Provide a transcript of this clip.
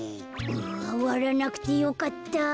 あわらなくてよかった。